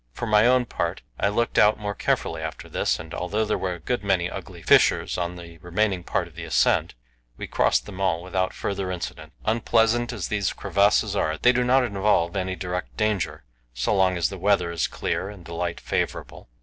For my own part I looked out more carefully after this, and although there were a good many ugly fissures on the remaining part of the ascent, we crossed them all without further incident. Unpleasant as these crevasses are, they do not involve any direct danger, so long as the weather is clear and the light favourable.